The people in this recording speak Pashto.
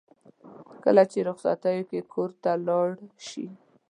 کله چې رخصتیو کې کور ته لاړ شي.